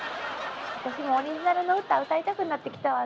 私もオリジナルの歌歌いたくなってきたわね。